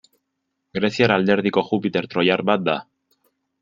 Greziar alderdiko Jupiter troiar bat da.